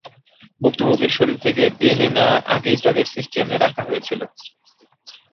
ভুক্তভোগীর শরীর থেকে ডিএনএ নেওয়া আগেই তাদের সিস্টেমে রাখা হয়েছিল।